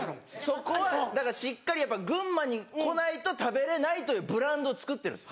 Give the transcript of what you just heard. そこはしっかり群馬に来ないと食べれないというブランドをつくってるんです。